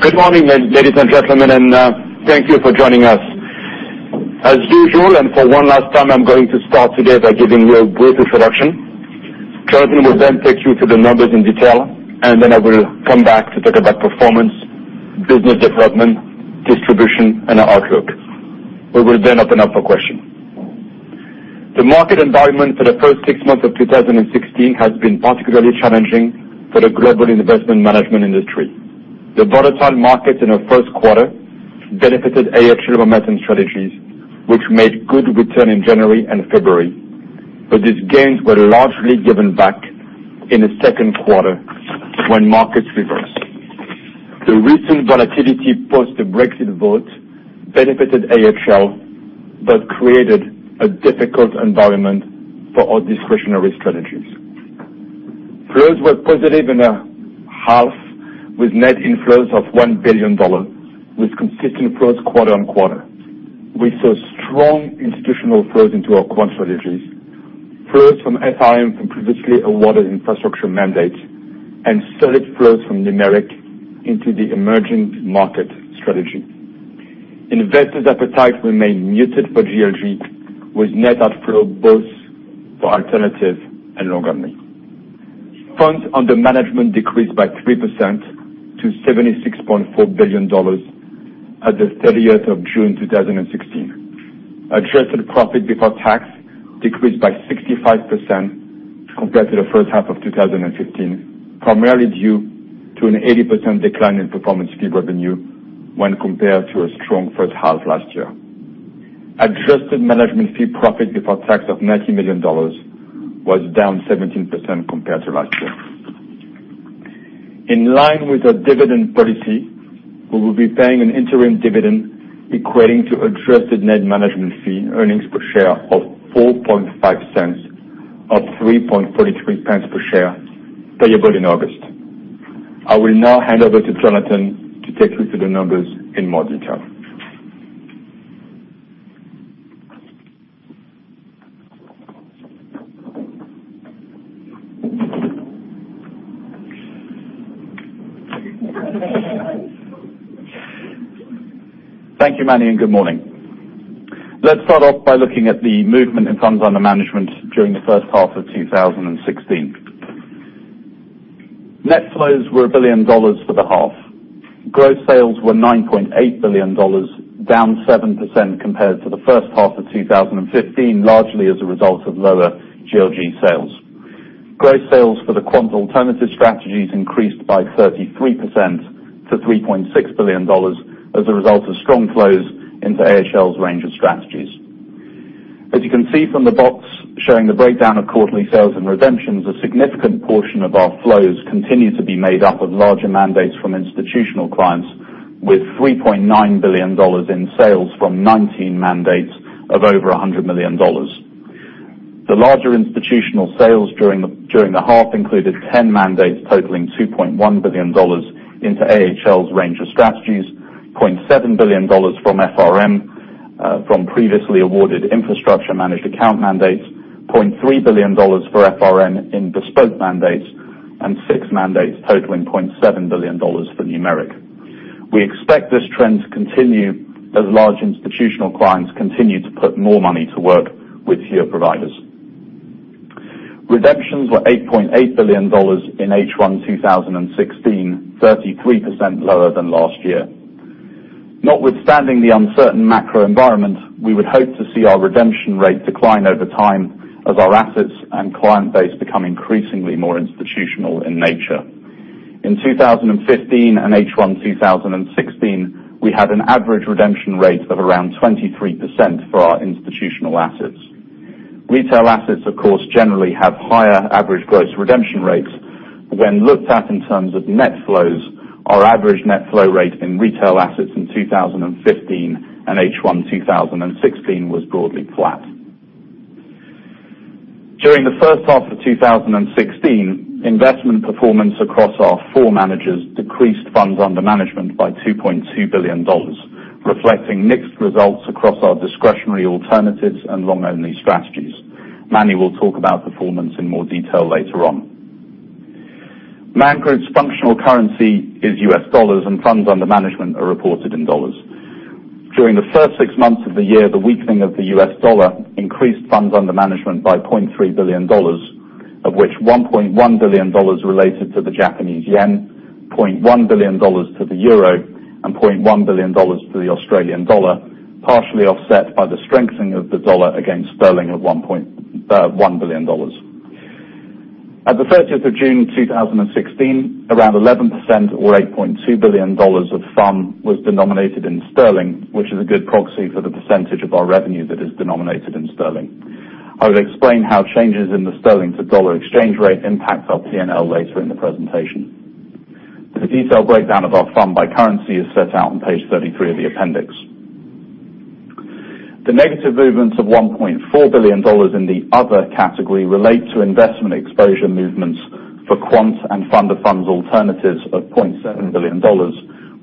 Good morning, ladies and gentlemen, and thank you for joining us. As usual, and for one last time, I'm going to start today by giving you a brief introduction. Jonathan will then take you through the numbers in detail. I will come back to talk about performance, business development, distribution, and our outlook. We will then open up for questions. The market environment for the first six months of 2016 has been particularly challenging for the global investment management industry. The volatile markets in the first quarter benefited AHL momentum strategies, which made good return in January and February, but these gains were largely given back in the second quarter when markets reversed. The recent volatility post the Brexit vote benefited AHL but created a difficult environment for our discretionary strategies. Flows were positive in the half, with net inflows of GBP 1 billion, with consistent flows quarter-on-quarter. We saw strong institutional flows into our quant strategies, flows from FRM from previously awarded infrastructure mandates, and solid flows from Numeric into the emerging market strategy. Investors' appetite remained muted for GLG, with net outflow both for alternative and long-only. Funds under management decreased by 3% to $76.4 billion at the 30th of June 2016. Adjusted profit before tax decreased by 65% compared to the first half of 2015, primarily due to an 80% decline in performance fee revenue when compared to a strong first half last year. Adjusted management fee profit before tax of GBP 90 million was down 17% compared to last year. In line with our dividend policy, we will be paying an interim dividend equating to adjusted net management fee earnings per share of 0.045 or 0.0343 per share, payable in August. I will hand over to Jonathan to take you through the numbers in more detail. Thank you, Manny. Good morning. Let's start off by looking at the movement in funds under management during the first half of 2016. Net flows were GBP 1 billion for the half. Gross sales were GBP 9.8 billion, down 7% compared to the first half of 2015, largely as a result of lower GLG sales. Gross sales for the quant alternative strategies increased by 33% to GBP 3.6 billion as a result of strong flows into AHL's range of strategies. As you can see from the box showing the breakdown of quarterly sales and redemptions, a significant portion of our flows continue to be made up of larger mandates from institutional clients with GBP 3.9 billion in sales from 19 mandates of over GBP 100 million. The larger institutional sales during the half included 10 mandates totaling $2.1 billion into AHL's range of strategies, $2.7 billion from FRM from previously awarded infrastructure managed account mandates, $2.3 billion for FRM in bespoke mandates, and six mandates totaling $2.7 billion for Numeric. We expect this trend to continue as large institutional clients continue to put more money to work with tier providers. Redemptions were $8.8 billion in H1 2016, 33% lower than last year. Notwithstanding the uncertain macro environment, we would hope to see our redemption rate decline over time as our assets and client base become increasingly more institutional in nature. In 2015 and H1 2016, we had an average redemption rate of around 23% for our institutional assets. Retail assets, of course, generally have higher average gross redemption rates. When looked at in terms of net flows, our average net flow rate in retail assets in 2015 and H1 2016 was broadly flat. During the first half of 2016, investment performance across our four managers decreased funds under management by $2.2 billion, reflecting mixed results across our discretionary alternatives and long-only strategies. Manny will talk about performance in more detail later on. Man Group's functional currency is US dollars, and funds under management are reported in dollars. During the first six months of the year, the weakening of the US dollar increased funds under management by $300 million, of which $1.1 billion related to the Japanese yen, $1 billion to the euro, and $1 billion to the Australian dollar, partially offset by the strengthening of the dollar against sterling of $1 billion. At the 30th of June 2016, around 11%, or $8.2 billion of fund was denominated in sterling, which is a good proxy for the percentage of our revenue that is denominated in sterling. I will explain how changes in the sterling-to-dollar exchange rate impacts our P&L later in the presentation. The detailed breakdown of our fund by currency is set out on page 33 of the appendix. The negative movements of $1.4 billion in the other category relate to investment exposure movements for quant and fund of funds alternatives of $0.7 billion,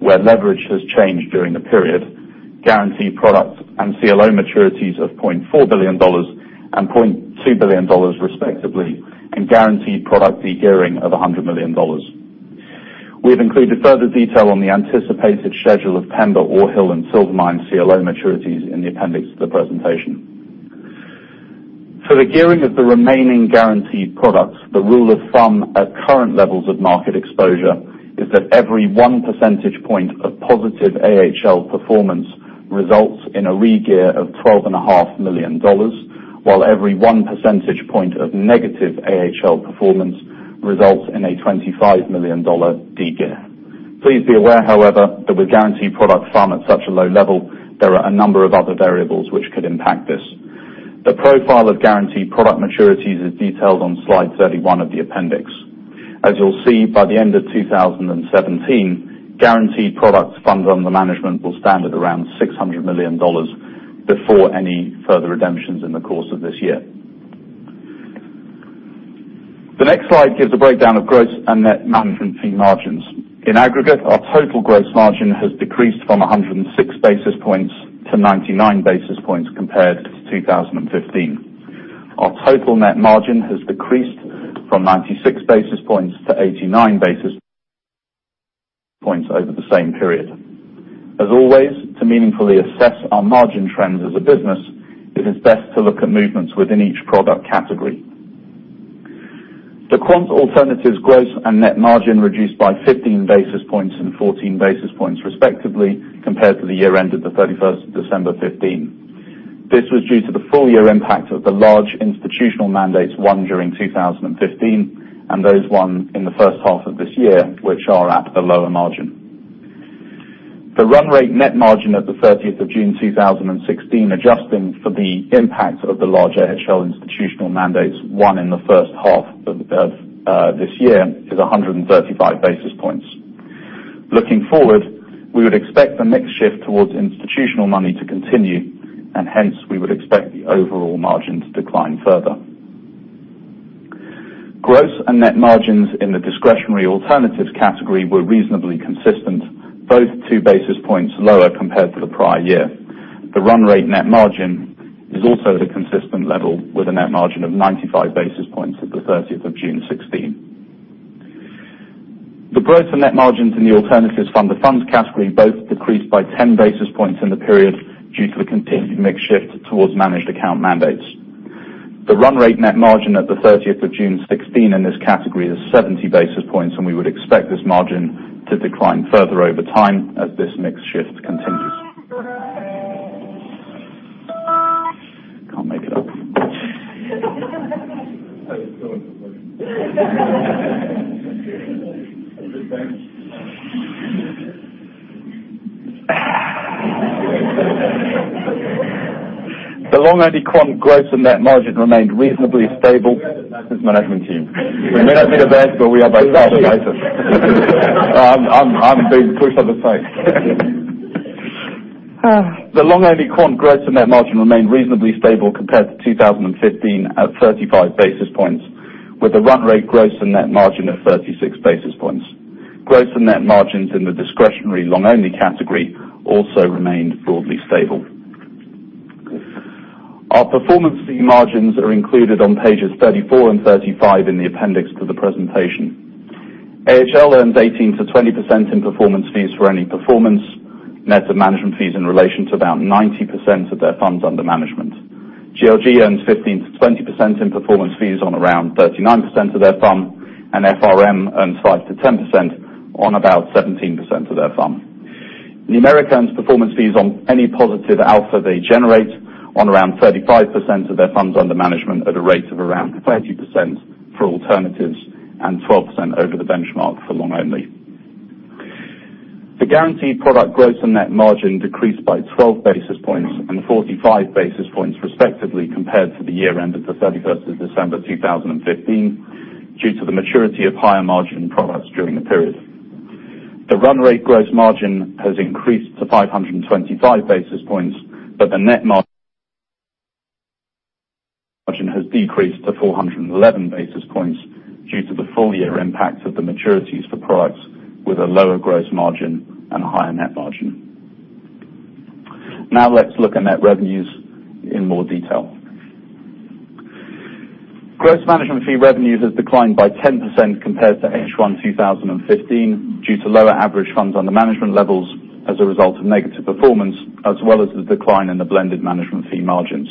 where leverage has changed during the period. Guaranteed products and CLO maturities of $0.4 billion and $0.2 billion respectively, and guaranteed product de-gearing of $100 million. We have included further detail on the anticipated schedule of Pembroke, Ore Hill, and Silvermine CLO maturities in the appendix to the presentation. For the gearing of the remaining guaranteed products, the rule of thumb at current levels of market exposure is that every one percentage point of positive AHL performance results in a re-gear of $12.5 million, while every one percentage point of negative AHL performance results in a $25 million de-gear. Please be aware, however, that with guaranteed product fund at such a low level, there are a number of other variables which could impact this. The profile of guaranteed product maturities is detailed on slide 31 of the appendix. As you'll see, by the end of 2017, guaranteed products funds under management will stand at around $600 million before any further redemptions in the course of this year. The next slide gives a breakdown of gross and net management fee margins. In aggregate, our total gross margin has decreased from 106 basis points to 99 basis points compared to 2015. Our total net margin has decreased from 96 basis points to 89 basis points over the same period. As always, to meaningfully assess our margin trends as a business, it is best to look at movements within each product category. The quant alternatives gross and net margin reduced by 15 basis points and 14 basis points respectively, compared to the year end of the 31st of December 2015. This was due to the full year impact of the large institutional mandates won during 2015, and those won in the first half of this year, which are at a lower margin. The run rate net margin at the 30th of June 2016, adjusting for the impact of the large AHL institutional mandates won in the first half of this year, is 135 basis points. Looking forward, we would expect the mix shift towards institutional money to continue, hence we would expect the overall margin to decline further. Gross and net margins in the discretionary alternatives category were reasonably consistent, both two basis points lower compared to the prior year. The run rate net margin is also at a consistent level, with a net margin of 95 basis points at the 30th of June 2016. The gross and net margins in the alternatives fund of funds category both decreased by 10 basis points in the period due to the continued mix shift towards managed account mandates. The run rate net margin at the 30th of June 2016 in this category is 70 basis points, we would expect this margin to decline further over time as this mix shift continues. Can't make it up. management team. We may not be the best, but we are by far the nicest. I'm being pushed on the side. The long-only quant gross and net margin remained reasonably stable compared to 2015 at 35 basis points, with the run rate gross and net margin at 36 basis points. Gross and net margins in the discretionary long-only category also remained broadly stable. Our performance fee margins are included on pages 34 and 35 in the appendix to the presentation. AHL earns 18%-20% in performance fees for any performance net of management fees in relation to about 90% of their funds under management. GLG earns 15%-20% in performance fees on around 39% of their fund, FRM earns 5%-10% on about 17% of their fund. Numeric earns performance fees on any positive alpha they generate on around 35% of their funds under management at a rate of around 30% for alternatives and 12% over the benchmark for long only. The guaranteed product gross and net margin decreased by 12 basis points and 45 basis points respectively, compared to the year end of the 31st of December 2015, due to the maturity of higher margin products during the period. The run rate gross margin has increased to 525 basis points, but the net margin has decreased to 411 basis points due to the full year impact of the maturities for products with a lower gross margin and a higher net margin. Let's look at net revenues in more detail. Gross management fee revenues has declined by 10% compared to H1 2015 due to lower average funds under management levels as a result of negative performance, as well as the decline in the blended management fee margins.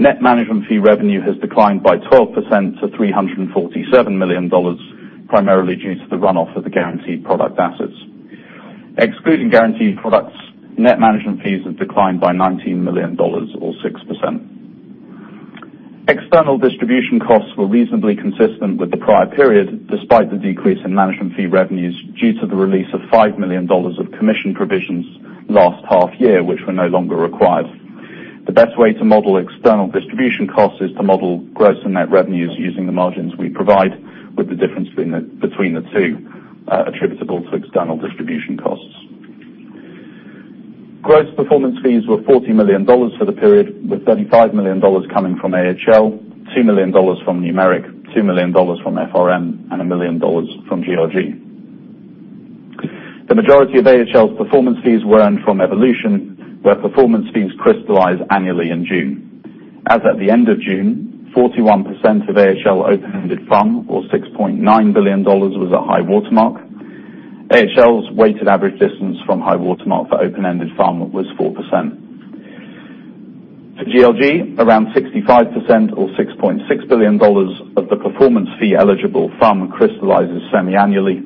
Net management fee revenue has declined by 12% to $347 million, primarily due to the run-off of the guaranteed product assets. Excluding guaranteed products, net management fees have declined by $19 million or 6%. External distribution costs were reasonably consistent with the prior period, despite the decrease in management fee revenues due to the release of $5 million of commission provisions last half-year, which were no longer required. The best way to model external distribution costs is to model gross and net revenues using the margins we provide, with the difference between the two attributable to external distribution costs. Gross performance fees were $40 million for the period, with $35 million coming from AHL, $2 million from Numeric, $2 million from FRM, and $1 million from GLG. The majority of AHL's performance fees were earned from Evolution, where performance fees crystallize annually in June. As at the end of June, 41% of AHL open-ended AUM, or $6.9 billion, was at high water mark. AHL's weighted average distance from high water mark for open-ended AUM was 4%. For GLG, around 65% or $6.6 billion of the performance fee eligible AUM crystallizes semi-annually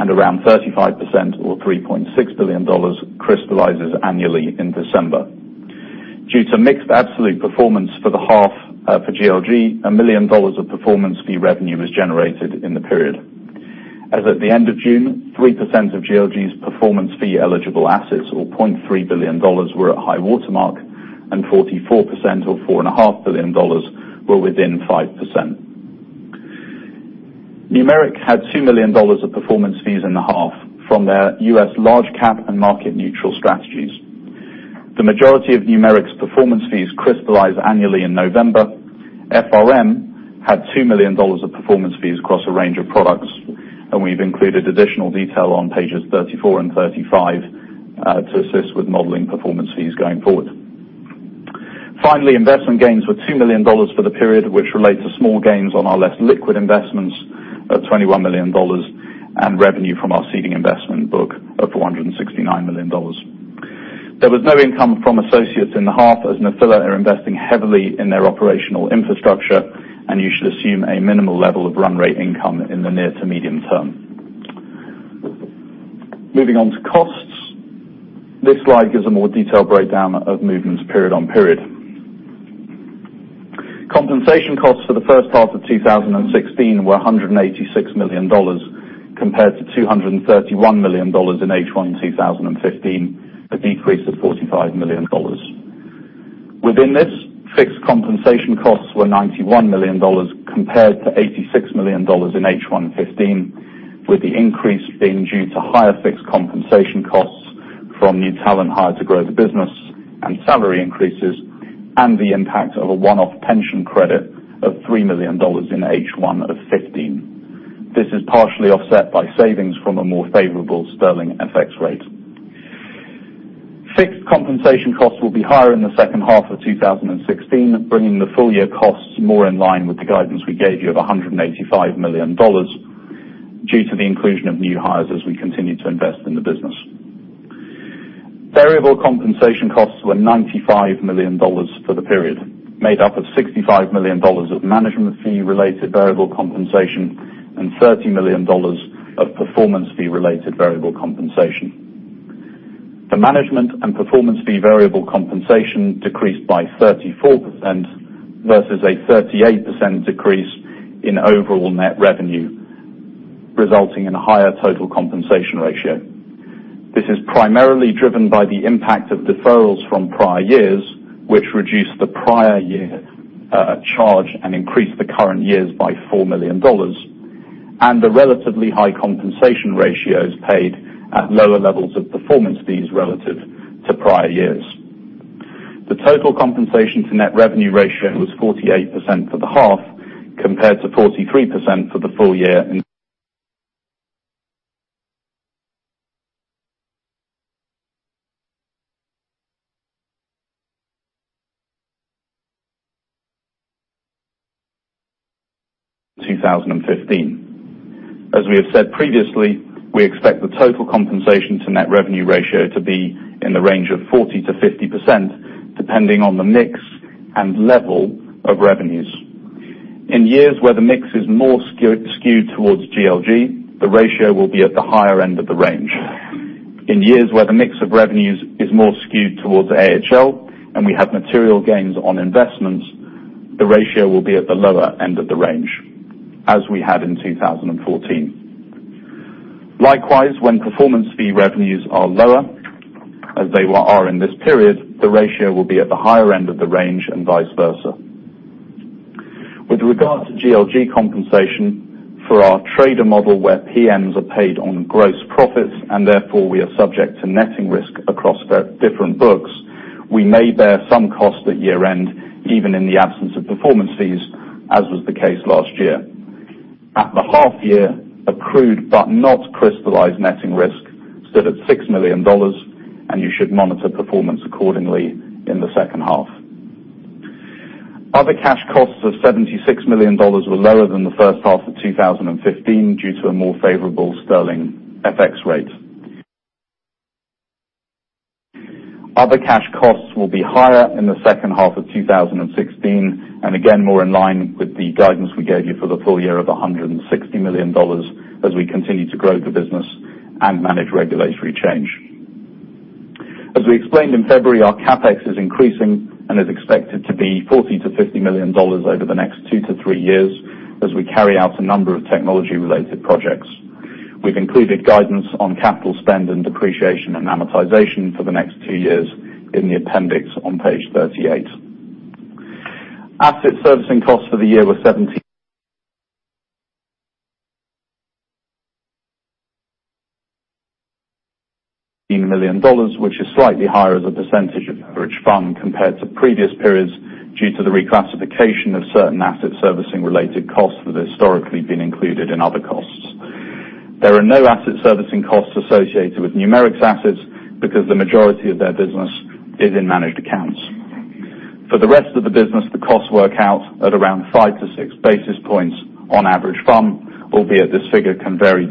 and around 35% or $3.6 billion crystallizes annually in December. Due to mixed absolute performance for the half for GLG, $1 million of performance fee revenue was generated in the period. As at the end of June, 3% of GLG's performance fee eligible assets or $0.3 billion were at high water mark and 44% or $4.5 billion were within 5%. Numeric had $2 million of performance fees in the half from their US large cap and Market Neutral strategies. The majority of Numeric's performance fees crystallize annually in November. FRM had $2 million of performance fees across a range of products, and we've included additional detail on pages 34 and 35 to assist with modeling performance fees going forward. Finally, investment gains were $2 million for the period, which relate to small gains on our less liquid investments of $21 million and revenue from our seeding investment book of $469 million. There was no income from associates in the half as Nafila are investing heavily in their operational infrastructure. You should assume a minimal level of run rate income in the near to medium term. Moving on to costs. This slide gives a more detailed breakdown of movements period on period. Compensation costs for the first half of 2016 were $186 million compared to $231 million in H1 2015, a decrease of $45 million. Within this, fixed compensation costs were $91 million compared to $86 million in H1 '15, with the increase being due to higher fixed compensation costs from new talent hired to grow the business and salary increases. The impact of a one-off pension credit of $3 million in H1 of '15. This is partially offset by savings from a more favorable sterling FX rate. Fixed compensation costs will be higher in the second half of 2016, bringing the full year costs more in line with the guidance we gave you of $185 million due to the inclusion of new hires as we continue to invest in the business. Variable compensation costs were $95 million for the period, made up of $65 million of management fee related variable compensation and $30 million of performance fee related variable compensation. The management and performance fee variable compensation decreased by 34% versus a 38% decrease in overall net revenue, resulting in a higher total compensation ratio. This is primarily driven by the impact of deferrals from prior years, which reduced the prior year charge and increased the current years by $4 million, and the relatively high compensation ratios paid at lower levels of performance fees relative to prior years. We have said previously, we expect the total compensation to net revenue ratio to be in the range of 40%-50%, depending on the mix and level of revenues. In years where the mix is more skewed towards GLG, the ratio will be at the higher end of the range. In years where the mix of revenues is more skewed towards AHL and we have material gains on investments, the ratio will be at the lower end of the range, as we had in 2014. Likewise, when performance fee revenues are lower, as they are in this period, the ratio will be at the higher end of the range, and vice versa. With regard to GLG compensation for our trader model where PMs are paid on gross profits, therefore we are subject to netting risk across different books, we may bear some cost at year-end, even in the absence of performance fees, as was the case last year. At the half year, accrued but not crystallized netting risk stood at $6 million, you should monitor performance accordingly in the second half. Other cash costs of $76 million were lower than the first half of 2015 due to a more favorable sterling FX rate. Other cash costs will be higher in the second half of 2016, again, more in line with the guidance we gave you for the full year of $160 million as we continue to grow the business and manage regulatory change. We explained in February, our CapEx is increasing and is expected to be $40 million to $50 million over the next two to three years as we carry out a number of technology-related projects. We've included guidance on capital spend and depreciation and amortization for the next two years in the appendix on page 38. Asset servicing costs for the year were $17 million, which is slightly higher as a percentage of average fund compared to previous periods due to the reclassification of certain asset servicing-related costs that have historically been included in other costs. There are no asset servicing costs associated with Numeric's assets because the majority of their business is in managed accounts. For the rest of the business, the costs work out at around five to six basis points on average fund, albeit this figure can vary.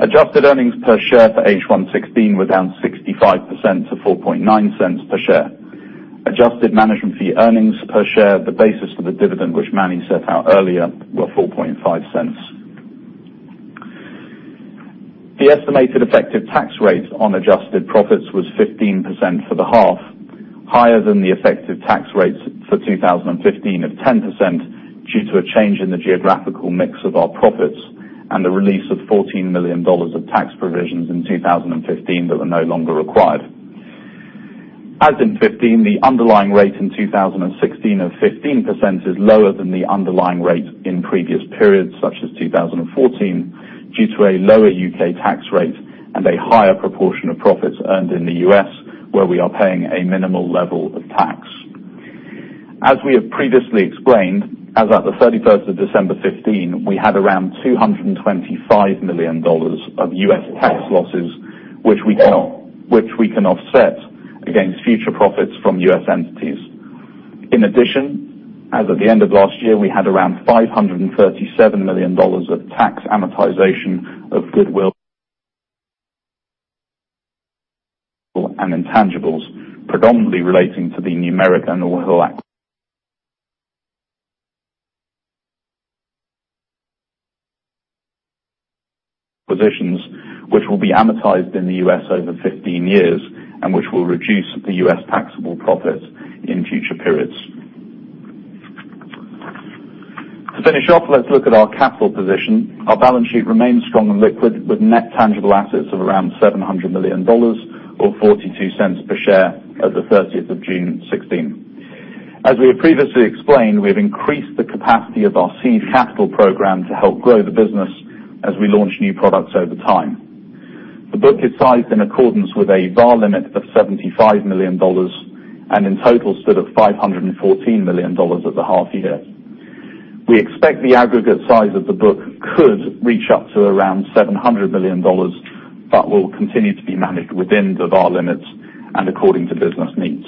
Adjusted earnings per share for H1 2016 were down 65% to $0.049 per share. Adjusted management fee earnings per share, the basis for the dividend, which Manny set out earlier, were $0.045. The estimated effective tax rate on adjusted profits was 15% for the half, higher than the effective tax rates for 2015 of 10% due to a change in the geographical mix of our profits and the release of $14 million of tax provisions in 2015 that were no longer required. As in 2015, the underlying rate in 2016 of 15% is lower than the underlying rate in previous periods, such as 2014, due to a lower U.K. tax rate and a higher proportion of profits earned in the U.S., where we are paying a minimal level of tax. As we have previously explained, as at the 31st of December 2015, we had around $225 million of U.S. tax losses, which we can offset against future profits from U.S. entities. In addition, as of the end of last year, we had around $537 million of tax amortization of goodwill and intangibles, predominantly relating to the Numeric and Ore Hill acquisitions, which will be amortized in the U.S. over 15 years and which will reduce the U.S. taxable profits in future periods. To finish off, let's look at our capital position. Our balance sheet remains strong and liquid with net tangible assets of around $700 million or $0.42 per share as of the 30th of June 2016. As we have previously explained, we have increased the capacity of our seed capital program to help grow the business as we launch new products over time. The book is sized in accordance with a VaR limit of $75 million and in total stood at $514 million at the half year. We expect the aggregate size of the book could reach up to around $700 million but will continue to be managed within the VaR limits and according to business needs.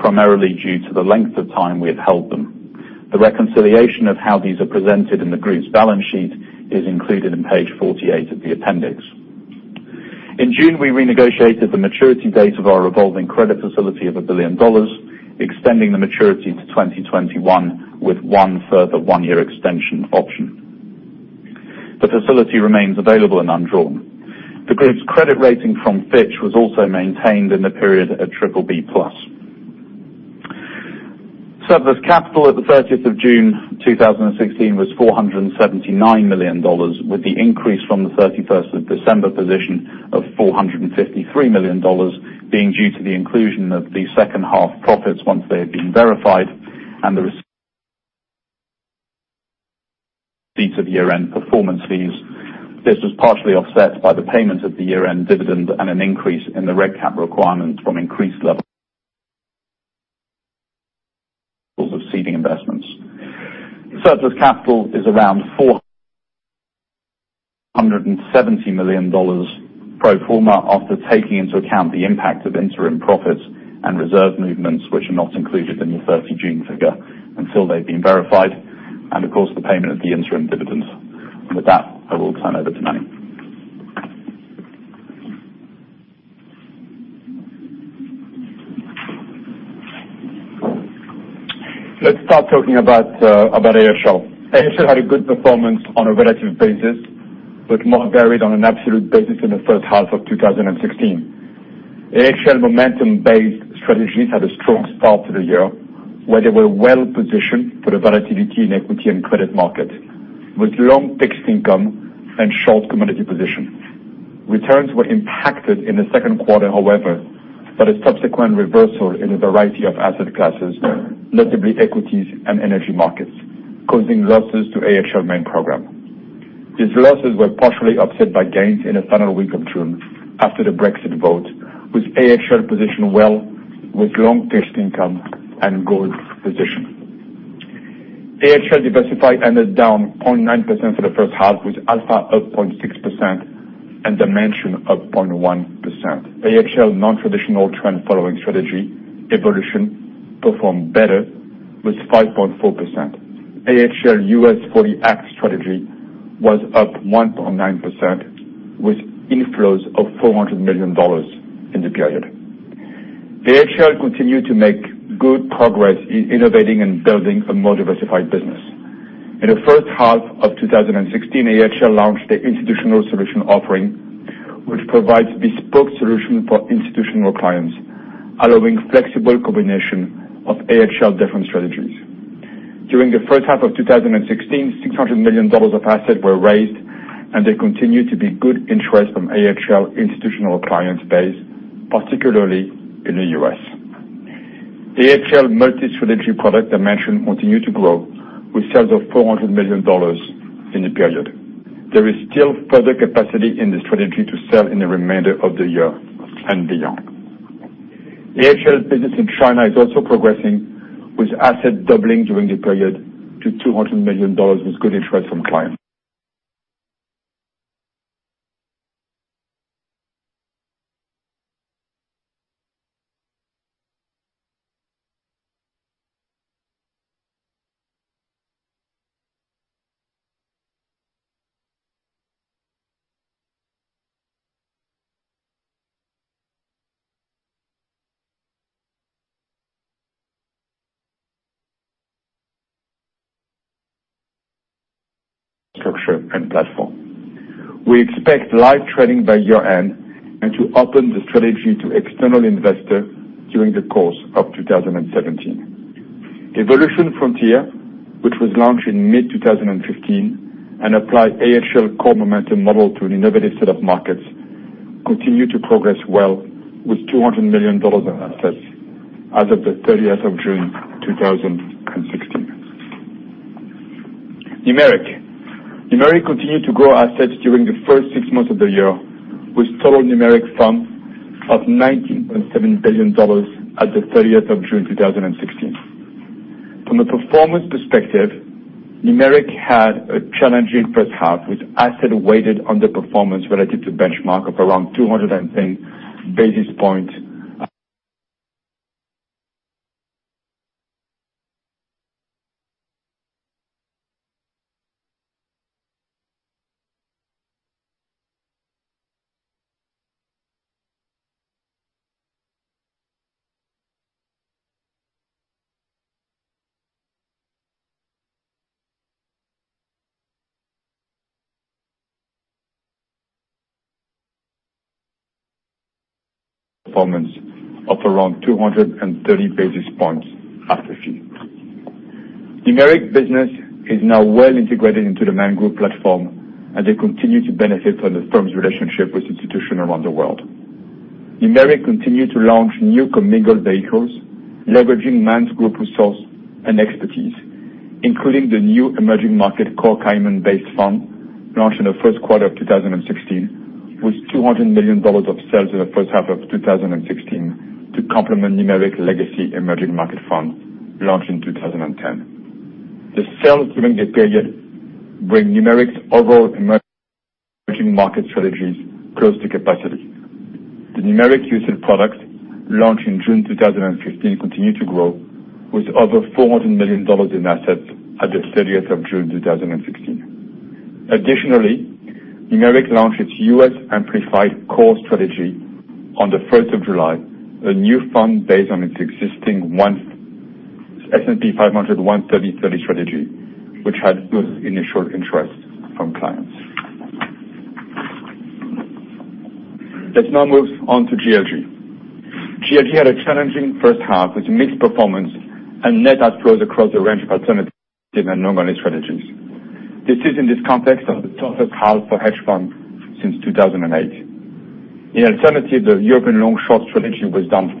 Primarily due to the length of time we've held them. The reconciliation of how these are presented in the group's balance sheet is included on page 48 of the appendix. In June, we renegotiated the maturity date of our revolving credit facility of $1 billion, extending the maturity to 2021 with one further one-year extension option. The facility remains available and undrawn. The group's credit rating from Fitch was also maintained in the period at BBB+. Surplus capital at the 30th of June 2016 was $479 million, with the increase from the 31st of December position of $453 million being due to the inclusion of the second-half profits once they had been verified and the receipt of year-end performance fees. This was partially offset by the payment of the year-end dividend and an increase in the reg cap requirement from increased levels of seeding investments. Surplus capital is around $470 million pro forma after taking into account the impact of interim profits and reserve movements, which are not included in the 30th of June figure until they've been verified, of course, the payment of the interim dividend. With that, I will turn over to Manny. Let's start talking about AHL. AHL had a good performance on a relative basis, but more varied on an absolute basis in the first half of 2016. AHL momentum-based strategies had a strong start to the year, where they were well-positioned for the volatility in equity and credit markets, with long fixed income and short commodity position. Returns were impacted in the second quarter, however, by the subsequent reversal in a variety of asset classes, notably equities and energy markets, causing losses to AHL Diversified Programme. These losses were partially offset by gains in the final week of June after the Brexit vote, with AHL positioned well with long-term income and good position. AHL Diversified ended down 0.9% for the first half, with alpha up 0.6% and Dimension up 0.1%. AHL non-traditional trend following strategy, Evolution performed better with 5.4%. AHL US 40 Act strategy was up 1.9%, with inflows of GBP 400 million in the period. AHL continued to make good progress in innovating and building a more diversified business. In the first half of 2016, AHL launched the AHL Institutional Solutions offering, which provides bespoke solutions for institutional clients, allowing flexible combination of AHL different strategies. During the first half of 2016, GBP 600 million of assets were raised, there continued to be good interest from AHL institutional client base, particularly in the U.S. AHL multi-strategy product Dimension continued to grow, with sales of GBP 400 million in the period. There is still further capacity in the strategy to sell in the remainder of the year and beyond. AHL's business in China is also progressing, with assets doubling during the period to GBP 200 million, with good interest from clients. We expect live trading by year-end, to open the strategy to external investors during the course of 2017. Evolution Frontier, which was launched in mid-2015 and applied AHL core momentum model to an innovative set of markets, continued to progress well, with GBP 200 million in assets as of the 30th of June 2016. Numeric continued to grow assets during the first six months of the year, with total Numeric funds of GBP 19.7 billion as of the 30th of June 2016. From a performance perspective, Numeric had a challenging first half, with asset-weighted underperformance relative to benchmark of around 210 basis points, performance of around 230 basis points after fee. Numeric business is now well integrated into the Man Group platform, they continue to benefit from the firm's relationship with institutions around the world. Numeric continued to launch new commingled vehicles, leveraging Man Group resource and expertise, including the new emerging market core Cayman-based fund, launched in the first quarter of 2016, with $200 million of sales in the first half of 2016 to complement Numeric legacy emerging market funds launched in 2010. The sales during the period bring Numeric's overall emerging market strategies close to capacity. The Numeric UCITS products launched in June 2015 continue to grow, with over $400 million in assets as of the 30th of June 2016. Additionally, Numeric launched its US Amplified Core strategy on the 1st of July, a new fund based on its existing S&P 500 130/30 strategy, which had good initial interest from clients. Let's now move on to GLG. GLG had a challenging first half with mixed performance and net outflows across a range of alternative and long-only strategies. This is in the context of the toughest half for hedge funds since 2008. In alternative, the European long-short strategy was down 5%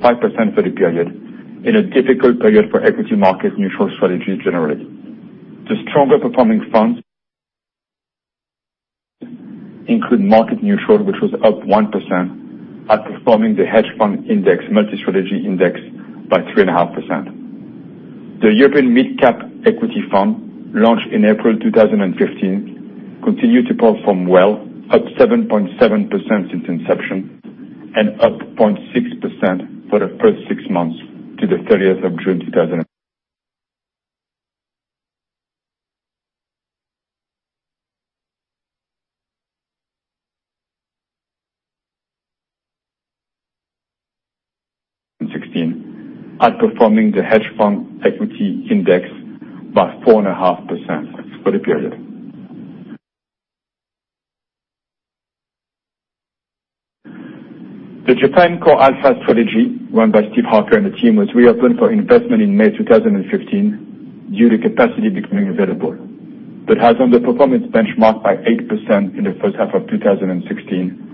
for the period, in a difficult period for equity market neutral strategies generally. The stronger performing funds include Market Neutral, which was up 1%, outperforming the HFRX RV: Multi-Strategy Index by 3.5%. The Man GLG European Mid-Cap Equity Alternative, launched in April 2015, continued to perform well, up 7.7% since inception and up 0.6% for the first six months to the 30th of June 2016, outperforming the HFRX Equity Hedge Index by 4.5% for the period. The Man GLG Japan CoreAlpha Fund, run by Steve Harker and the team, was reopened for investment in May 2015 due to capacity becoming available. That has underperformed its benchmark by 8% in the first half of 2016,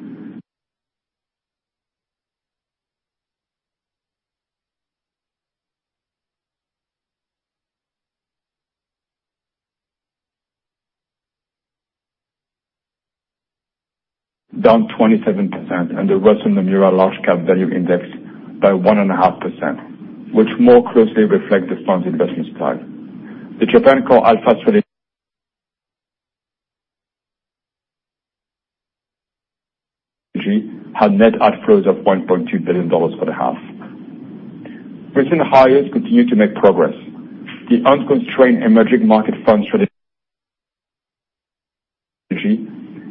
Down 27%, and the Russell/Nomura large-cap value index by 1.5%, which more closely reflects the fund's investment style. The Man GLG Japan CoreAlpha Fund had net outflows of $1.2 billion for the half. Recent hires continue to make progress. The unconstrained emerging market funds strategy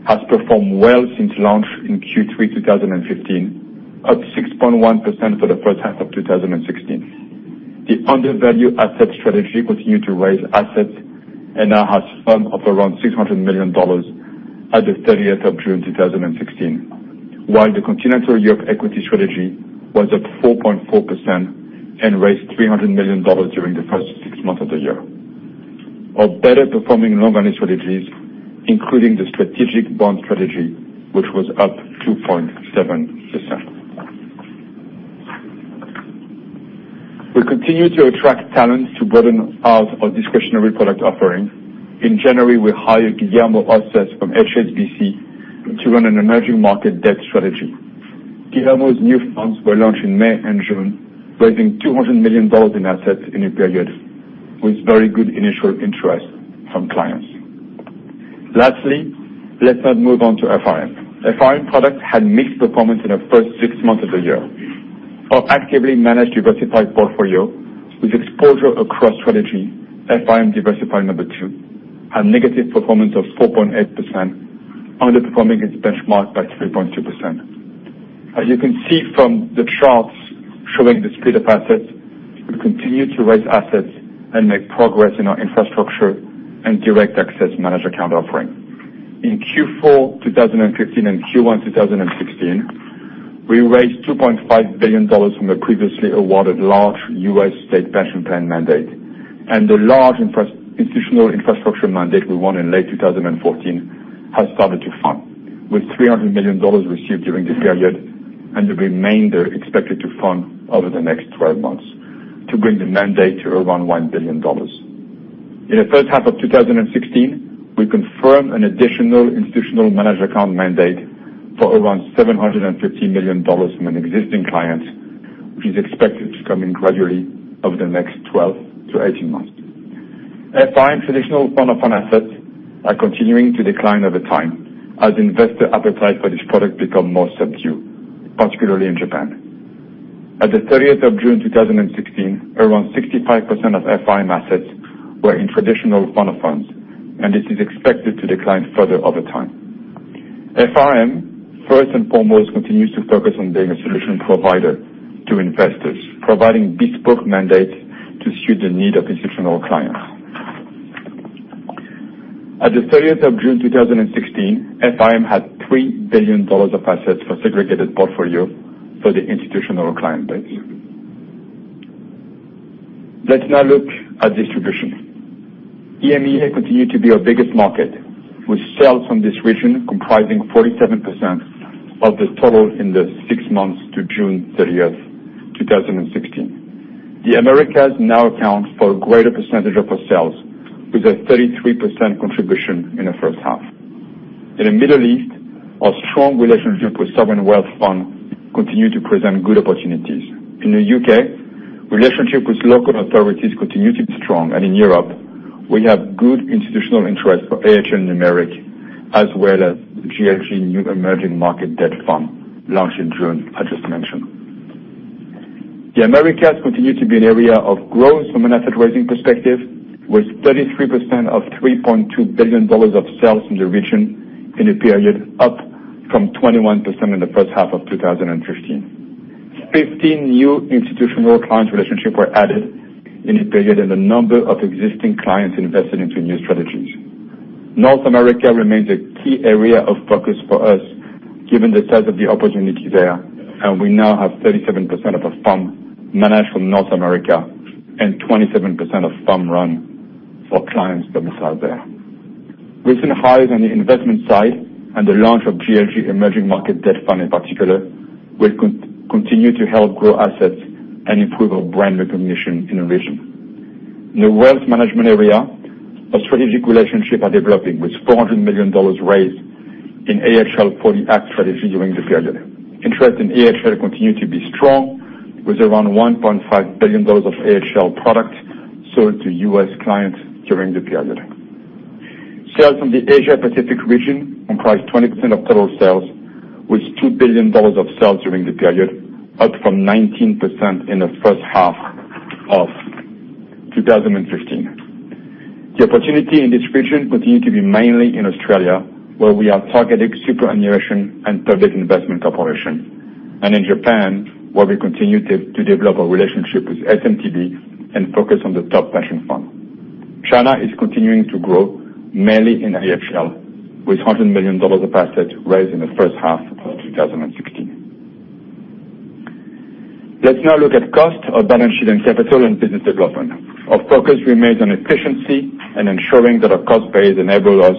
has performed well since launch in Q3 2015, up 6.1% for the first half of 2016. The undervalue asset strategy continued to raise assets and now has funds of around $600 million as of 30th of June 2016. The continental Europe equity strategy was up 4.4% and raised $300 million during the first six months of the year. Our better-performing long-only strategies, including the strategic bond strategy, which was up 2.7%. We continue to attract talent to broaden out our discretionary product offerings. In January, we hired Guillermo Osorio from HSBC to run an emerging market debt strategy. Guillermo's new funds were launched in May and June, raising $200 million in assets in the period, with very good initial interest from clients. Lastly, let us now move on to FRM. FRM products had mixed performance in the first six months of the year. Our actively managed diversified portfolio, with exposure across strategies, FRM Diversified II, had negative performance of 4.8%, underperforming its benchmark by 3.2%. As you can see from the charts showing the split of assets, we continue to raise assets and make progress in our infrastructure and direct access managed account offering. In Q4 2015 and Q1 2016, we raised $2.5 billion from the previously awarded large U.S. state pension plan mandate, and the large institutional infrastructure mandate we won in late 2014 has started to fund, with $300 million received during this period and the remainder expected to fund over the next 12 months to bring the mandate to around $1 billion. In the first half of 2016, we confirmed an additional institutional managed account mandate for around $750 million from an existing client, which is expected to come in gradually over the next 12 to 18 months. FRM traditional fund of fund assets are continuing to decline over time as investor appetite for this product become more subdued, particularly in Japan. At the 30th of June 2016, around 65% of FRM assets were in traditional fund of funds, and this is expected to decline further over time. FRM, first and foremost, continues to focus on being a solution provider to investors, providing bespoke mandates to suit the needs of institutional clients. At the 30th of June 2016, FRM had $3 billion of assets for segregated portfolio for the institutional client base. Let's now look at distribution. EMEA continued to be our biggest market, with sales from this region comprising 47% of the total in the six months to June 30th, 2016. The Americas now accounts for a greater percentage of our sales, with a 33% contribution in the first half. In the Middle East, our strong relationship with sovereign wealth funds continue to present good opportunities. In the U.K., relationship with local authorities continued to be strong, and in Europe, we have good institutional interest for AHL Numeric as well as GLG Emerging Market Debt Fund launched in June, I just mentioned. The Americas continue to be an area of growth from an asset raising perspective, with 33% of $3.2 billion of sales in the region in the period, up from 21% in the first half of 2015. 15 new institutional client relationships were added in the period, and a number of existing clients invested into new strategies. North America remains a key area of focus for us given the size of the opportunity there, and we now have 37% of our fund managed from North America and 27% of fund run for clients domiciled there. Recent hires on the investment side and the launch of GLG Emerging Market Debt Fund in particular will continue to help grow assets and improve our brand recognition in the region. In the wealth management area, our strategic relationship are developing, with $400 million raised in AHL US 40 Act strategy during the period. Interest in AHL continued to be strong, with around $1.5 billion of AHL product sold to U.S. clients during the period. Sales in the Asia Pacific region comprise 20% of total sales, with $2 billion of sales during the period, up from 19% in the first half of 2015. The opportunity in this region continued to be mainly in Australia, where we are targeting superannuation and public investment corporation, and in Japan, where we continue to develop our relationship with SMTB and focus on the top pension fund. China is continuing to grow, mainly in AHL, with $100 million of assets raised in the first half of 2016. Let's now look at cost of balance sheet and capital and business development. Our focus remains on efficiency and ensuring that our cost base enable us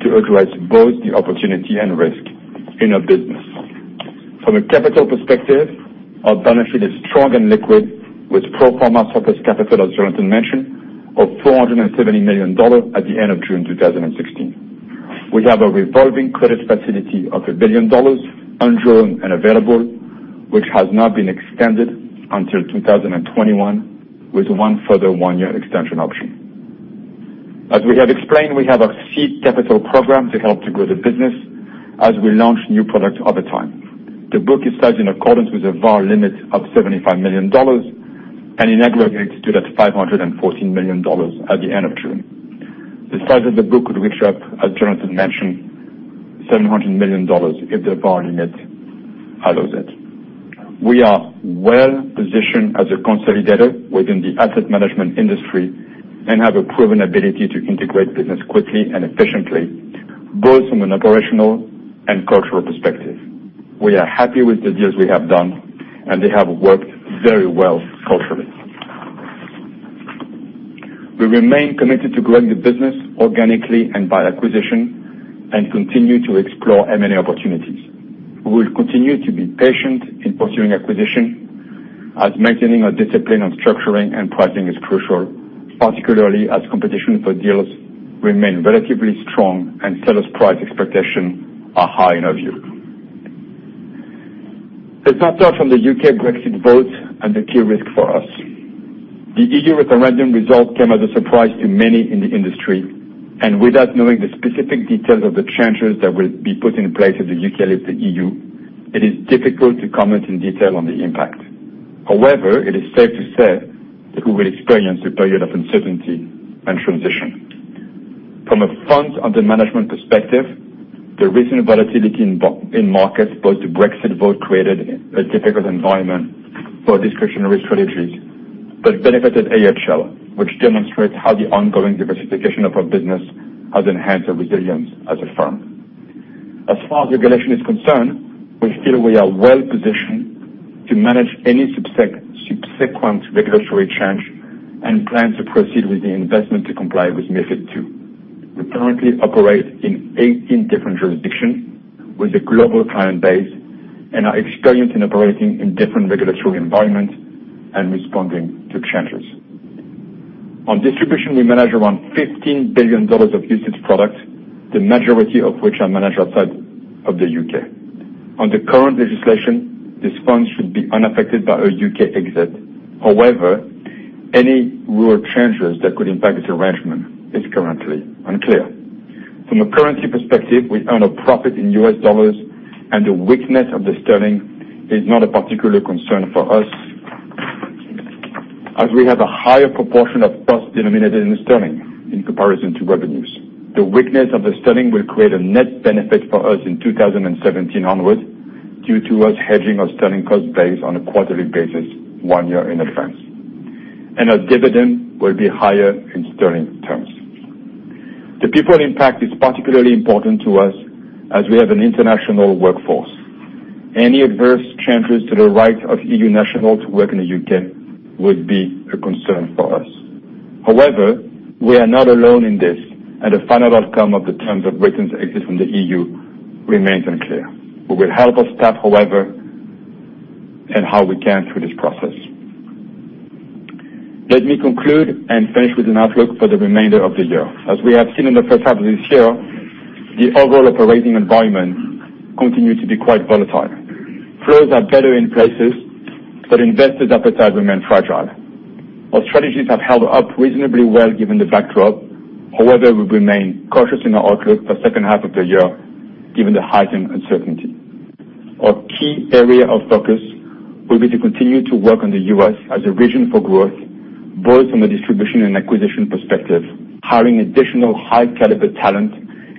to utilize both the opportunity and risk in our business. From a capital perspective, our balance sheet is strong and liquid with pro forma surplus capital, as Jonathan mentioned, of $470 million at the end of June 2016. We have a revolving credit facility of $1 billion undrawn and available, which has now been extended until 2021 with one further one-year extension option. As we have explained, we have a seed capital program to help to grow the business as we launch new products over time. The book is sized in accordance with the VaR limit of $75 million, and in aggregate stood at $514 million at the end of June. The size of the book could reach up, as Jonathan mentioned, $700 million if the VaR limit allows it. We are well-positioned as a consolidator within the asset management industry and have a proven ability to integrate business quickly and efficiently, both from an operational and cultural perspective. We are happy with the deals we have done, and they have worked very well culturally. We remain committed to growing the business organically and by acquisition, and continue to explore M&A opportunities. We will continue to be patient in pursuing acquisition, as maintaining our discipline on structuring and pricing is crucial, particularly as competition for deals remain relatively strong and sellers' price expectation are high in our view. Let's start off on the U.K. Brexit vote and the key risk for us. The EU referendum result came as a surprise to many in the industry, and without knowing the specific details of the changes that will be put in place as the U.K. leaves the EU, it is difficult to comment in detail on the impact. However, it is safe to say that we will experience a period of uncertainty and transition. From a fund under management perspective, the recent volatility in markets post the Brexit vote created a difficult environment for discretionary strategies, but benefited AHL, which demonstrates how the ongoing diversification of our business has enhanced our resilience as a firm. As far as regulation is concerned, we feel we are well-positioned to manage any subsequent regulatory change and plan to proceed with the investment to comply with MiFID II. We currently operate in 18 different jurisdictions with a global client base and are experienced in operating in different regulatory environments and responding to changes. On distribution, we manage around $15 billion of listed products, the majority of which are managed outside of the U.K. Under current legislation, this fund should be unaffected by a U.K. exit. However, any rule changes that could impact its arrangement is currently unclear. From a currency perspective, we earn a profit in U.S. dollars, and the weakness of the sterling is not a particular concern for us as we have a higher proportion of costs denominated in sterling in comparison to revenues. The weakness of the sterling will create a net benefit for us in 2017 onwards due to us hedging our sterling cost base on a quarterly basis one year in advance. Our dividend will be higher in sterling terms. The people impact is particularly important to us as we have an international workforce. Any adverse changes to the right of EU nationals working in the U.K. would be a concern for us. However, we are not alone in this, and the final outcome of the terms of Britain's exit from the EU remains unclear. We will help our staff, however, and how we can through this process. Let me conclude and finish with an outlook for the remainder of the year. As we have seen in the first half of this year, the overall operating environment continued to be quite volatile. Flows are better in places, but investors' appetite remain fragile. Our strategies have held up reasonably well given the backdrop. We remain cautious in our outlook for the second half of the year given the heightened uncertainty. Our key area of focus will be to continue to work on the U.S. as a region for growth, both from a distribution and acquisition perspective, hiring additional high caliber talent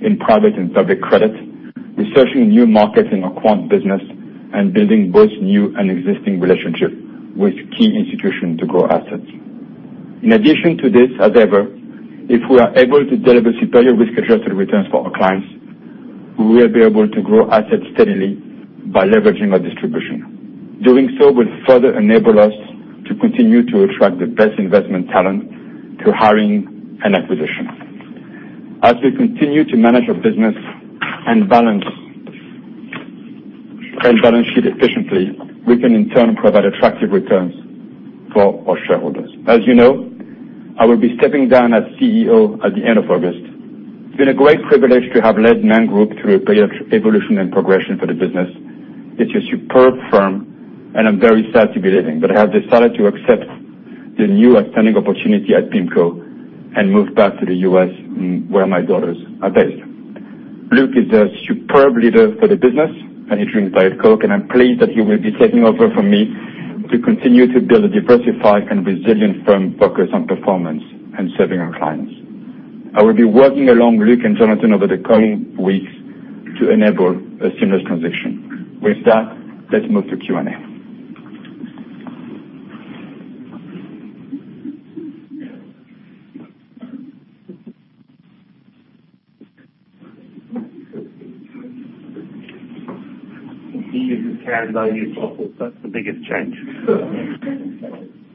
in private and public credit, researching new markets in our quant business, and building both new and existing relationship with key institutions to grow assets. In addition to this, as ever, if we are able to deliver superior risk-adjusted returns for our clients, we will be able to grow assets steadily by leveraging our distribution. Doing so will further enable us to continue to attract the best investment talent through hiring and acquisition. As we continue to manage our business and balance sheet efficiently, we can in turn provide attractive returns for our shareholders. As you know, I will be stepping down as CEO at the end of August. It's been a great privilege to have led Man Group through a period of evolution and progression for the business. It's a superb firm, and I'm very sad to be leaving. I have decided to accept the new outstanding opportunity at PIMCO and move back to the U.S., where my daughters are based. Luke is a superb leader for the business, managing Diet Coke, and I'm pleased that he will be taking over from me to continue to build a diversified and resilient firm focused on performance and serving our clients. I will be working along Luke and Jonathan over the coming weeks to enable a seamless transition. With that, let's move to Q&A. He uses cans. I use bottles. That's the biggest change.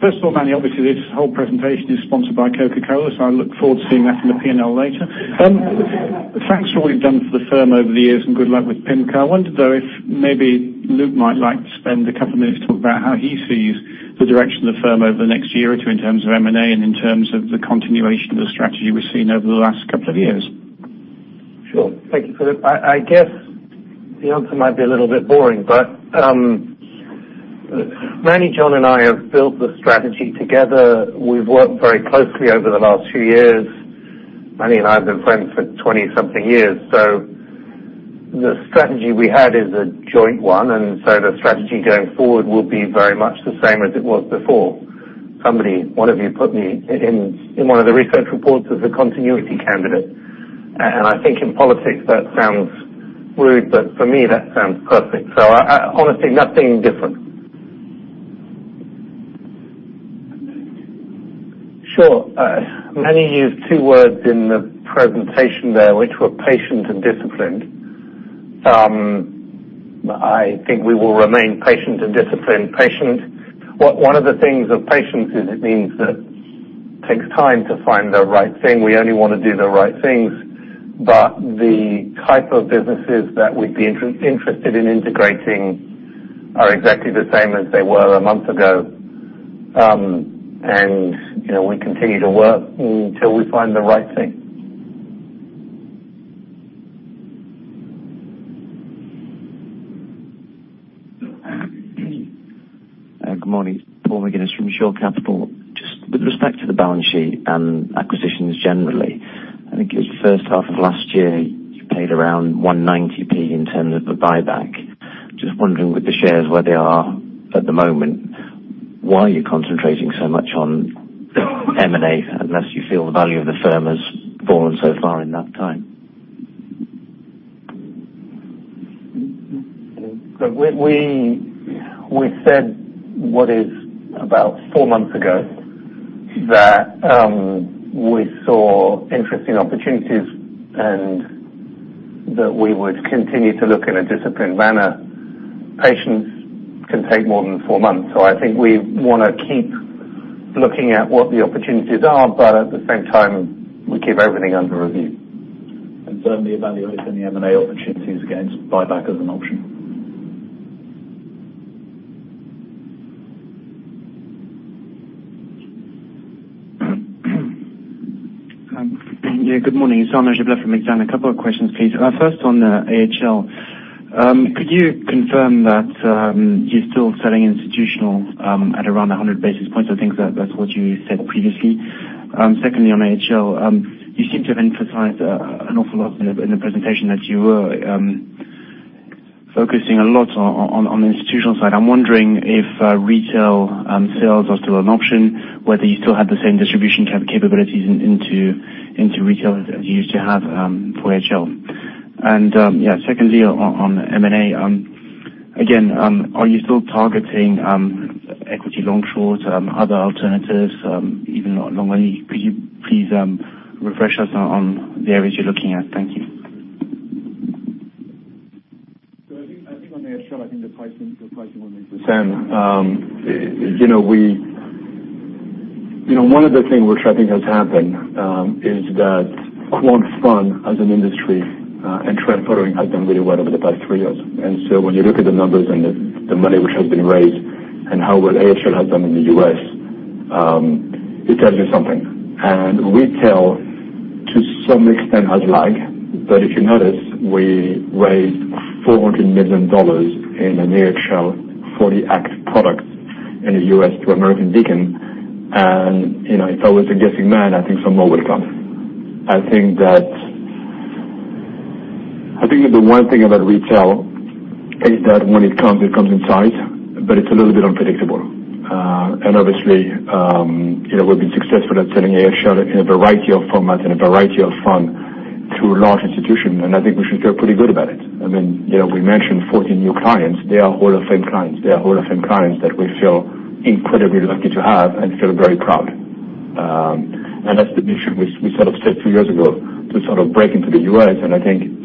First of all, Manny, obviously this whole presentation is sponsored by Coca-Cola, so I look forward to seeing that in the P&L later. Thanks for all you've done for the firm over the years, and good luck with PIMCO. I wondered, though, if maybe Luke might like to spend a couple minutes to talk about how he sees the direction of the firm over the next year or two in terms of M&A and in terms of the continuation of the strategy we've seen over the last couple of years. Sure. Thank you, Philip. I guess the answer might be a little bit boring, but Manny, John and I have built the strategy together. We've worked very closely over the last few years. Manny and I have been friends for 20 something years, so the strategy we had is a joint one, and so the strategy going forward will be very much the same as it was before. Somebody, one of you put me in one of the research reports as a continuity candidate. I think in politics that sounds rude, but for me, that sounds perfect. Honestly, nothing different. Sure. Manny used two words in the presentation there, which were patient and disciplined. I think we will remain patient and disciplined. Patient. One of the things of patience is it means that it takes time to find the right thing. We only want to do the right things, but the type of businesses that we'd be interested in integrating are exactly the same as they were a month ago. We continue to work until we find the right thing. Good morning. Paul McGinnis from Shore Capital. Just with respect to the balance sheet and acquisitions generally, I think it was the first half of last year, you paid around 1.90 in terms of the buyback. Just wondering with the shares where they are at the moment, why are you concentrating so much on M&A, unless you feel the value of the firm has fallen so far in that time? We said, what is it, about four months ago that we saw interesting opportunities and that we would continue to look in a disciplined manner. Patience can take more than four months. I think we want to keep looking at what the opportunities are, but at the same time, we keep everything under review. Certainly evaluating the M&A opportunities against buyback as an option. Yeah. Good morning. Arnaud Giblat from Exane. A couple of questions, please. First on AHL. Could you confirm that you're still selling institutional at around 100 basis points? I think that that's what you said previously. Secondly, on AHL, you seem to have emphasized an awful lot in the presentation that you were focusing a lot on the institutional side. I'm wondering if retail sales are still an option, whether you still have the same distribution capabilities into retail as you used to have for AHL. Yeah, secondly on M&A. Again, are you still targeting equity long-short, other alternatives, even long only? Could you please refresh us on the areas you're looking at? Thank you. I think on AHL, I think the pricing will make sense. One of the things which I think has happened, is that quant fund as an industry, and trend following has done really well over the past three years. When you look at the numbers and the money which has been raised and how well AHL has done in the U.S., it tells you something. Retail to some extent has lagged. If you notice, we raised $400 million in an AHL for the 40 Act products in the U.S. to American Beacon. If I was a guessing man, I think some more will come. I think that the one thing about retail is that when it comes, it comes in size, but it's a little bit unpredictable. Obviously, we've been successful at selling AHL in a variety of formats, in a variety of fund through large institutions, and I think we should feel pretty good about it. We mentioned 14 new clients. They are all the same clients. They are all the same clients that we feel incredibly lucky to have and feel very proud. That's the mission we set up said two years ago to break into the U.S., I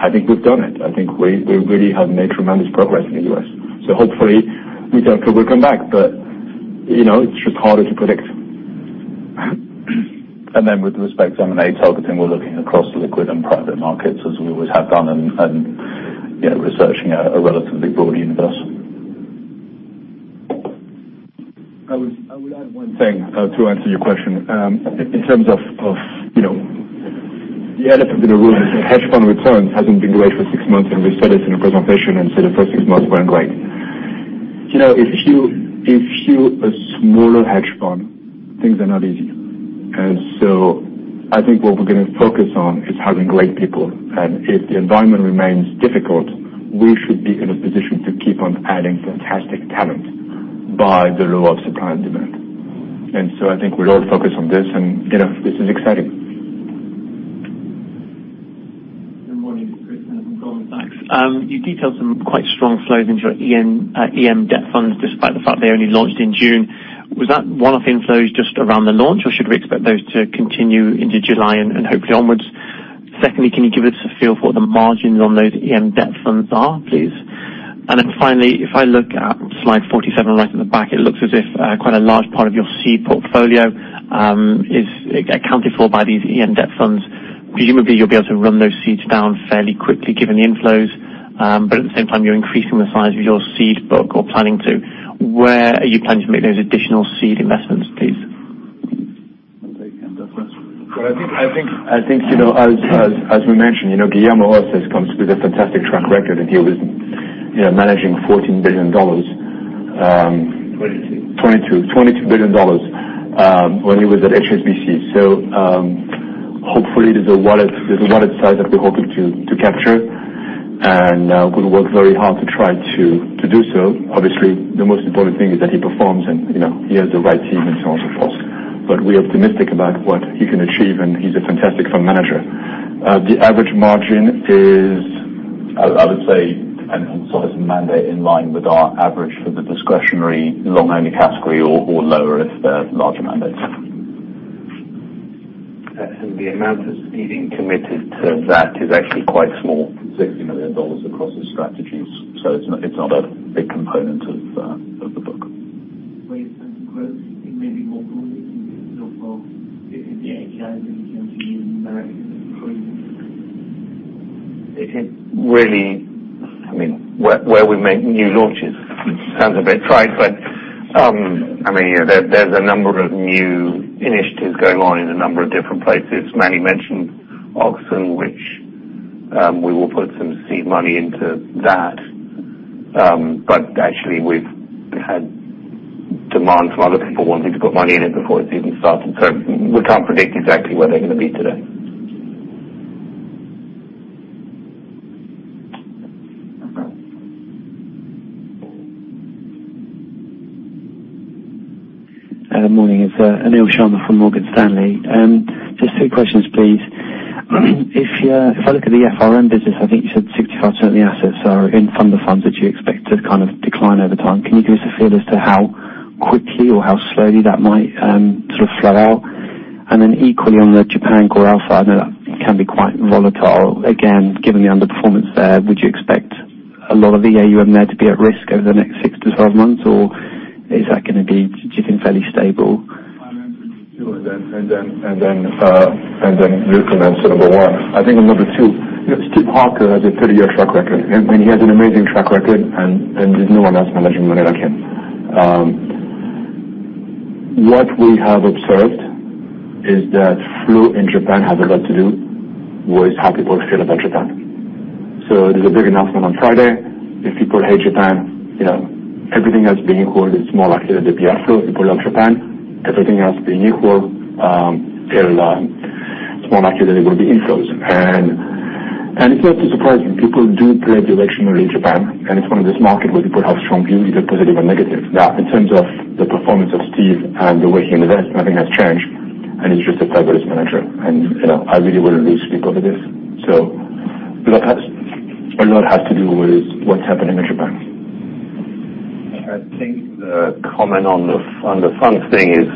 think we've done it. I think we really have made tremendous progress in the U.S. Hopefully retail could come back, but it's just harder to predict. With respect to M&A targeting, we're looking across liquid and private markets as we always have done, and researching a relatively broad universe. I would add one thing to answer your question. In terms of the elephant in the room, the hedge fund return hasn't been great for six months, and we said it in the presentation and said the first six months weren't great. If you're a smaller hedge fund, things are not easy. I think what we're going to focus on is having great people, and if the environment remains difficult, we should be in a position to keep on adding fantastic talent by the law of supply and demand. I think we'll all focus on this, and this is exciting. Good morning. It's Chris Mann from Goldman Sachs. You detailed some quite strong flows into your EM debt funds, despite the fact they only launched in June. Was that one-off inflows just around the launch, or should we expect those to continue into July and hopefully onwards? Secondly, can you give us a feel for the margins on those EM debt funds are, please? Finally, if I look at slide 47, right at the back, it looks as if quite a large part of your seed portfolio is accounted for by these EM debt funds. Presumably, you'll be able to run those seeds down fairly quickly, given the inflows. At the same time, you're increasing the size of your seed book or planning to. Where are you planning to make those additional seed investments, please? I'll take that first. Well, I think as we mentioned, Guillermo Osses comes with a fantastic track record, and he was managing GBP 14 billion. Twenty-two. GBP 22 billion when he was at HSBC. Hopefully, there's a wallet size that we're hoping to capture. We'll work very hard to try to do so. Obviously, the most important thing is that he performs and he has the right team and so on, so forth. We're optimistic about what he can achieve. He's a fantastic fund manager. The average margin is, I would say, and size mandate in line with our average for the discretionary long-only category or lower if they're larger mandates. The amount of seeding committed to that is actually quite small. GBP 60 million across the strategies, it's not a big component of the book. Where you plan to grow maybe more broadly in terms of the GLG and It is really where we make new launches. Sounds a bit trite, but there's a number of new initiatives going on in a number of different places. Manny mentioned Axiom, which we will put some seed money into that. Actually, we've had demand from other people wanting to put money in it before it's even started. We can't predict exactly where they're going to be today. Good morning. It's Anil Sharma from Morgan Stanley. Just two questions, please. If I look at the FRM business, I think you said 65% of the assets are in fund of funds that you expect to decline over time. Can you give us a feel as to how quickly or how slowly that might sort of flow out? Equally on the Japan CoreAlpha, I know that can be quite volatile. Again, given the underperformance there, would you expect a lot of the AUM there to be at risk over the next 6 to 12 months, or is that going to be fairly stable? Move from answer number 1. I think on number 2, Stephen Harker has a 30-year track record, and he has an amazing track record, and there's no one else managing money like him. What we have observed is that flow in Japan has a lot to do with how people feel about Japan. There's a big announcement on Friday. If people hate Japan, everything else being equal, it's more likely that they be outflow. If people love Japan, everything else being equal, it's more likely that it will be inflows. It's not too surprising. People do play directionally in Japan, and it's one of those markets where people have strong views, either positive or negative. In terms of the performance of Steve and the way he invests, nothing has changed, and he's just a fabulous manager. I really wouldn't lose sleep over this. A lot has to do with what's happening in Japan. I think the comment on the fund of funds thing is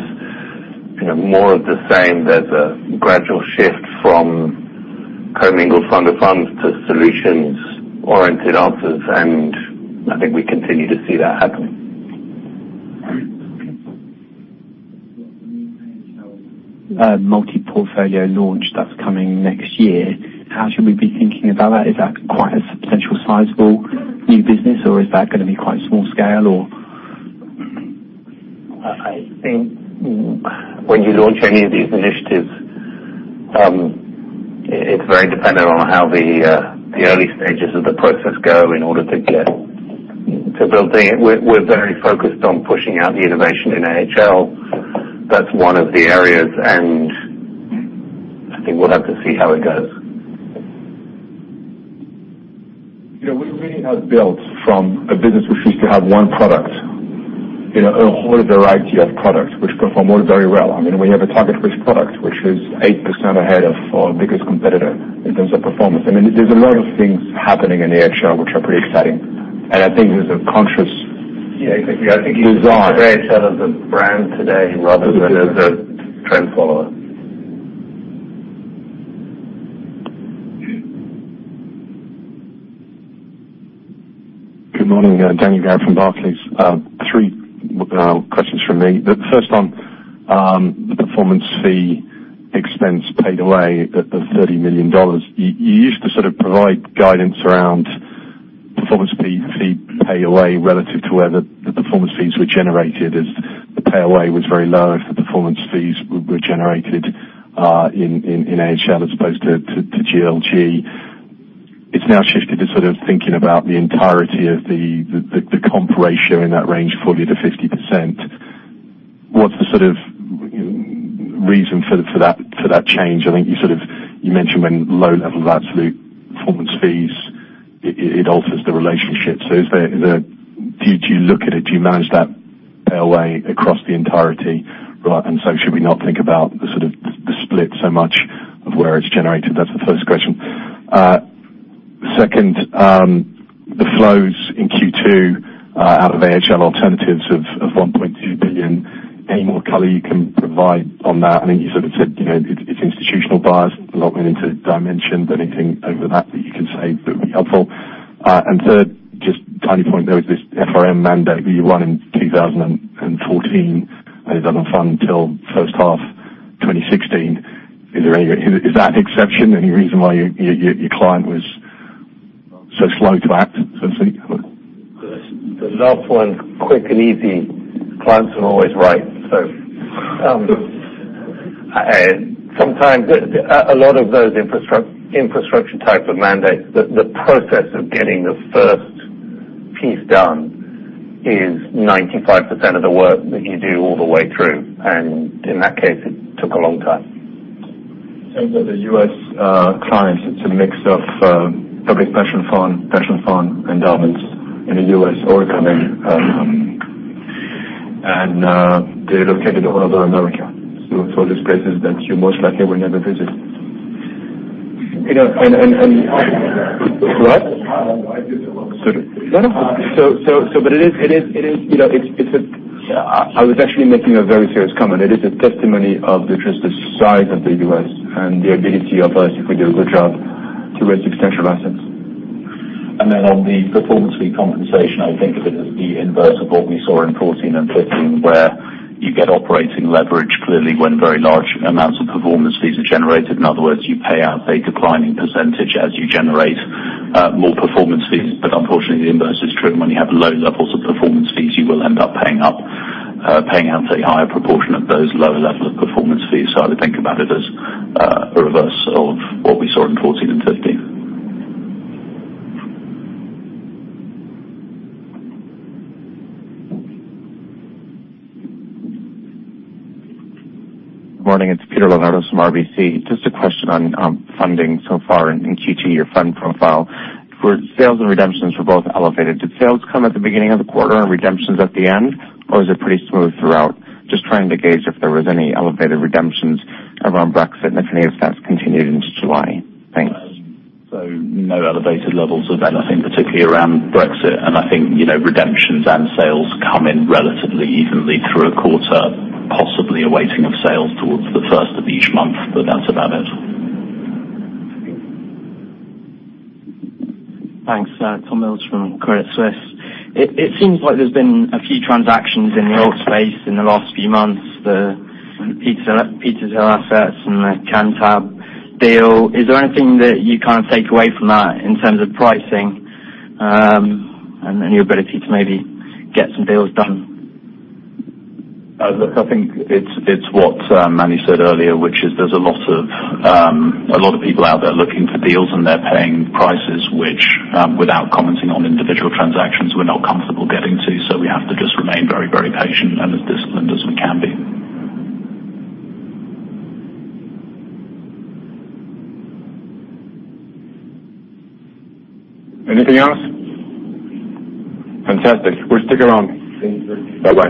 more of the same. There's a gradual shift from commingled fund of funds to solutions-oriented offers. I think we continue to see that happening. The multi-portfolio launch that's coming next year, how should we be thinking about that? Is that quite a substantial, sizable new business, or is that going to be quite small scale or? I think when you launch any of these initiatives, it's very dependent on how the early stages of the process go in order to get to building it. We're very focused on pushing out the innovation in AHL. That's one of the areas. I think we'll have to see how it goes. We really have built from a business which used to have one product, a whole variety of products which perform all very well. We have a target risk product which is 8% ahead of our biggest competitor in terms of performance. There's a lot of things happening in AHL which are pretty exciting. I think there's a conscious design- Yeah, I think you should think of AHL as a brand today rather than as a trend follower. Good morning. Daniel Garrod from Barclays. Three questions from me. The first one, the performance fee expense paid away at the $30 million. You used to sort of provide guidance around performance fee pay away relative to whether the performance fees were generated as the pay away was very low if the performance fees were generated in AHL as opposed to GLG. It's now shifted to sort of thinking about the entirety of the comp ratio in that range, 40%-50%. What's the sort of reason for that change? I think you mentioned when low level of absolute performance fees, it alters the relationship. Do you look at it, do you manage that pay away across the entirety? Should we not think about the sort of split so much of where it's generated? That's the first question. Second, the flows in Q2 out of AHL alternatives of $1.2 billion, any more color you can provide on that? I think you said it's institutional buyers. I'm not going into dimensions. Anything over that you can say that would be helpful. Third, just a tiny point. There was this FRM mandate that you won in 2014, and it doesn't fund till first half 2016. Is that an exception? Any reason why your client was so slow to act, so to speak? The last one, quick and easy. Clients are always right. Sometimes, a lot of those infrastructure types of mandates, the process of getting the first piece done is 95% of the work that you do all the way through. In that case, it took a long time. Same with the U.S. clients. It's a mix of public pension fund, pension fund endowments in the U.S., Oregon. They're located all over America. Those places that you most likely will never visit. What? I do get lost. No, no. I was actually making a very serious comment. It is a testimony of just the size of the U.S. and the ability of us, if we do a good job, to raise substantial assets. On the performance fee compensation, I think of it as the inverse of what we saw in 2014 and 2015, where you get operating leverage clearly when very large amounts of performance fees are generated. In other words, you pay out a declining % as you generate more performance fees. Unfortunately, the inverse is true when you have low levels of performance fees, you will end up paying out a higher proportion of those lower level of performance fees. I would think about it as a reverse of what we saw in 2014 and 2015. Good morning. It's Peter Lenardos from RBC. Just a question on funding so far in Q2, your fund profile. Sales and redemptions were both elevated. Did sales come at the beginning of the quarter and redemptions at the end, or was it pretty smooth throughout? Just trying to gauge if there was any elevated redemptions around Brexit and if any of that's continued into July. Thanks. No elevated levels of anything, particularly around Brexit. I think redemptions and sales come in relatively evenly through a quarter, possibly a weighting of sales towards the first of each month, but that's about it. Thanks. Tom Mills from Credit Suisse. It seems like there's been a few transactions in the alt space in the last few months, the Petershill assets and the Cantab deal. Is there anything that you take away from that in terms of pricing and your ability to maybe get some deals done? I think it's what Manny said earlier, which is there's a lot of people out there looking for deals, and they're paying prices which, without commenting on individual transactions, we're not comfortable getting to. We have to just remain very patient and as disciplined as we can be. Anything else? Fantastic. We'll stick around. Thanks. Bye-bye.